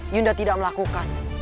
yunda tidak melakukan